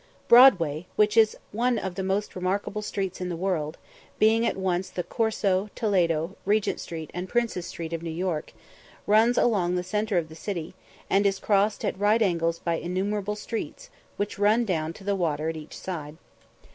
Broadway, which is one of the most remarkable streets in the world, being at once the Corso, Toledo, Regent Street, and Princes Street of New York, runs along the centre of the city, and is crossed at right angles by innumerable streets, which run down to the water at each side.